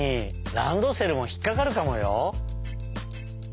ランドセルもひっかかるかもよ！